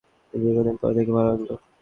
তোমাকেও দীর্ঘদিন পরে দেখে ভালো লাগল।